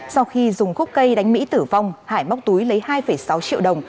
sau khi dùng khúc cây đánh mỹ tử vong hải móc túi lấy hai sáu triệu đồng